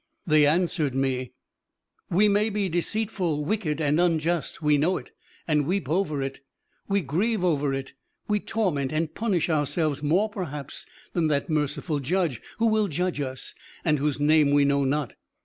They answered me: "We may be deceitful, wicked and unjust, we know it and weep over it, we grieve over it; we torment and punish ourselves more perhaps than that merciful Judge Who will judge us and whose Name we know not.